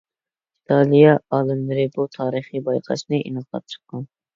ئىتالىيە ئالىملىرى بۇ تارىخىي بايقاشنى ئېنىقلاپ چىققان.